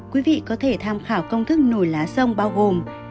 quý vị có thể tham khảo công thức nổi lá sông bao gồm